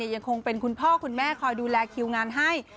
ยังคงเป็นคุณพ่อคุณแม่คอยดูแลคิวงานให้